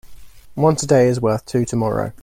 One today is worth two tomorrows.